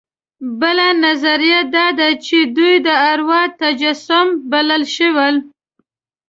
بله نظریه دا ده چې دوی د اروا تجسم وبلل شول.